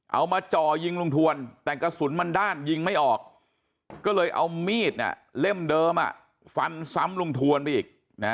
มาจ่อยิงลุงทวนแต่กระสุนมันด้านยิงไม่ออกก็เลยเอามีดเล่มเดิมฟันซ้ำลุงทวนไปอีก